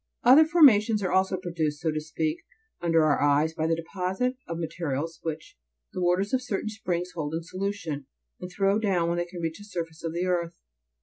21. Other formations are also produced, so to speak, under our eyes, by the deposite of materials which the waters of certain springs hold in solution, and throw down when they reach the sur face of the earth.